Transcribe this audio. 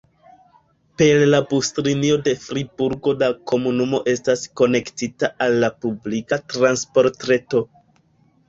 Per la buslinio de Friburgo la komunumo estas konektita al la publika transportreto.